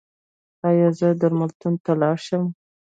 ایا زه درملتون ته لاړ شم؟